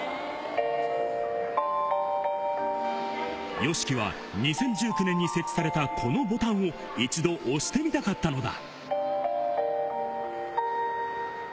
ＹＯＳＨＩＫＩは２０１９年に設置された、このボタンを一度押してみたかったのだ。